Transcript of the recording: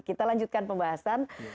kita lanjutkan pembahasan